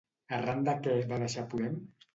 Arran de què va deixar Podem?